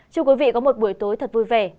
chúc quý vị có một buổi tối thật vui vẻ